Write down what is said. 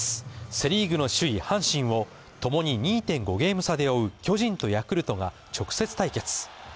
セ・リーグの首位・阪神をともに２．５ゲーム差で追う巨人とヤクルトが直接対決。